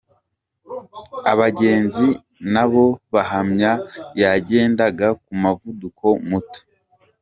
Abagenzi na bo bahamya yagendaga ku muvuduko muto.